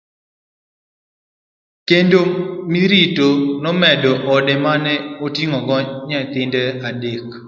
Kendo Miriti nomedo ode mane oting'o nyithinde adek.